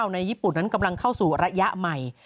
ในญี่ปุ่นนั้นกำลังเข้าสู่ระยะใหม่